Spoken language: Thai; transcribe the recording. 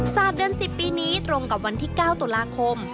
เดือน๑๐ปีนี้ตรงกับวันที่๙ตุลาคม